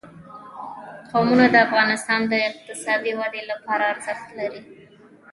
قومونه د افغانستان د اقتصادي ودې لپاره ارزښت لري.